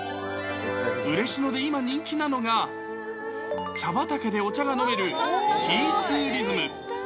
嬉野で今人気なのが、茶畑でお茶が飲める、ティーツーリズム。